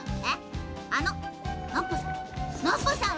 あのノッポさん。